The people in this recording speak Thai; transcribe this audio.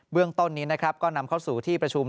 เรื่องต้นนี้นะครับก็นำเข้าสู่ที่ประชุม